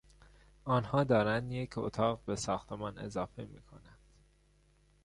آنها دارند یک اتاق به ساختمان اضافه میکنند.